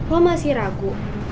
lo masih ragu